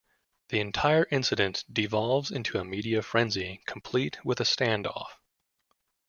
The entire incident devolves into a media frenzy complete with a stand off.